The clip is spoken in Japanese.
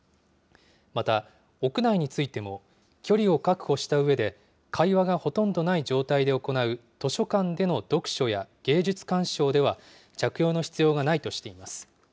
また、屋内についても、距離を確保したうえで、会話がほとんどない状態で行う図書館での読書や芸術鑑賞では、着用の必要がないとしています。